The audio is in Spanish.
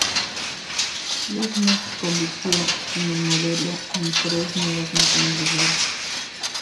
Lugnut convirtió en el modelo en tres nuevas máquinas de guerra.